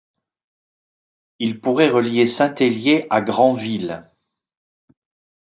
Il pourrait relier Saint-Hélier à Granville.